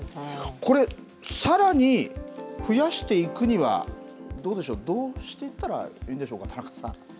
これ、さらに増やしていくにはどうでしょう、どうしていったらいいんでしょうか。